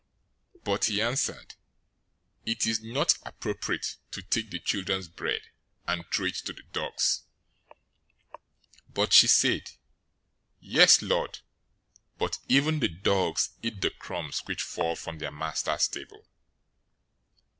015:026 But he answered, "It is not appropriate to take the children's bread and throw it to the dogs." 015:027 But she said, "Yes, Lord, but even the dogs eat the crumbs which fall from their masters' table."